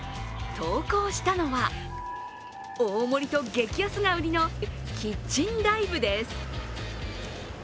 投稿したのは、大盛りと激安が売りのキッチンＤＩＶＥです。